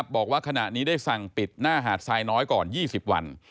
บอกว่าขณะนี้ได้สั่งปิดหน้าหาดทรายน้อยก่อน๒๐วัน